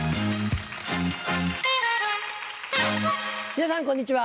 皆さんこんにちは。